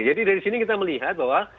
jadi dari sini kita melihat bahwa